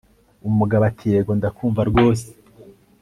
umugabo ati yego ndakumva rwose